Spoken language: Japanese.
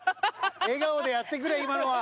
笑顔でやってくれ今のは。